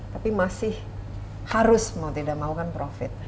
tapi masih harus mau tidak mau kan profit